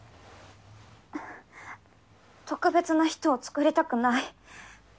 んっ特別な人をつくりたくない。